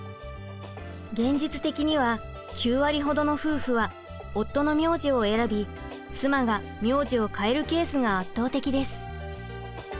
現実的には９割ほどの夫婦は夫の名字を選び妻が名字を変えるケースが圧倒的です。